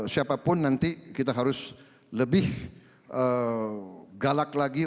siapapun nanti kita harus lebih galak lagi